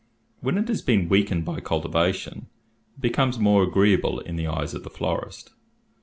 When it has been weakened by cultivation, it becomes more agreeable in the eyes of the florist.